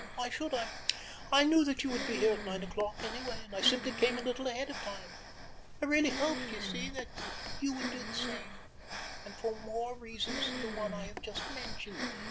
Why should I? I knew that you would be here at nine o'clock anyway, and I simply came a little ahead of time. I really hoped, you see, that you would do the same—and for more reasons than the one I have just mentioned."